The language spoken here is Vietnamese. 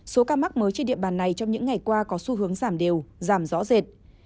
số ca mắc mới trên địa bàn này trong những ngày qua có xu hướng giảm đều giảm rõ rệt